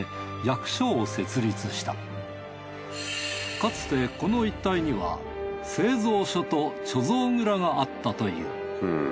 かつてこの一帯には製造所と貯蔵蔵があったという。